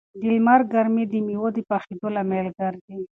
د لمر ګرمي د مېوو د پخېدو لامل ګرځي.